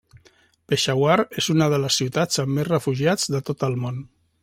Peshawar és una de les ciutats amb més refugiats de tot el món.